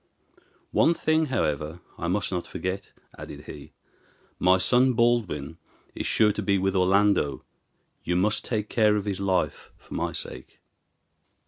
One thing, however, I must not forget," added he; "my son Baldwin is sure to be with Orlando; you must take care of his life for my sake."